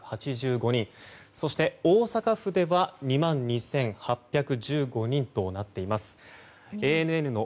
そして大阪府では２万２８１５人となっています。